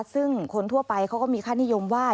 ซึ่งคนทั่วไปเขาก็มีค่านิยมว่า